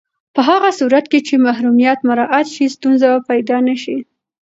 په هغه صورت کې چې محرمیت مراعت شي، ستونزې به پیدا نه شي.